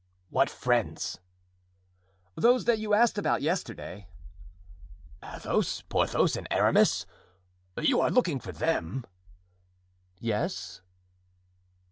"What friends?" "Those that you asked about yesterday." "Athos, Porthos and Aramis—you are looking for them?" "Yes."